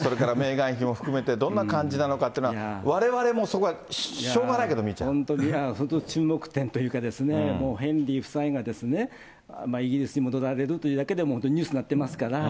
それから、メーガン妃も含めて、どんな感じなのかというのは、われわれもそこはしょうがないけど、そこは注目点というか、もうヘンリー夫妻がですね、イギリスに戻られるというだけでも本当にニュースになってますから。